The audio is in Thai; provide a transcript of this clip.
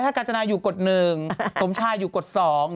ถ้ากาญจนาอยู่กดหนึ่งสมชาติอยู่กดสอง